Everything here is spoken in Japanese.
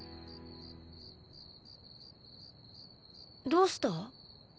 どうした？